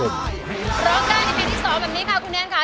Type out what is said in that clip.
ร้องได้ในเพลงที่๒แบบนี้ค่ะคุณแนนค่ะ